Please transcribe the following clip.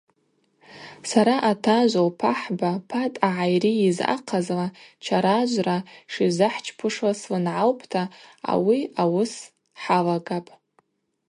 Сара атажв лпахӏба па дъагӏайрийыз ахъазла чаражвра шизыхӏчпушла слынгӏалпӏта, ауи ауыс хӏалагапӏ.